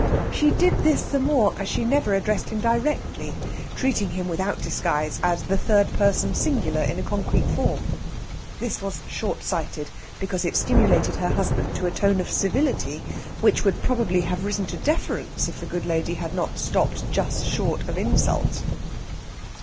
She did this the more as she never addressed him directly, treating him without disguise as the third person singular in a concrete form. This was short sighted, because it stimulated her husband to a tone of civility which would probably have risen to deference if the good lady had not just stopped short of insult.